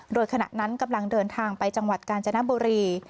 โดยขณะนั้นกำลังเดินทางไปจังหวัดกาญจนบุรี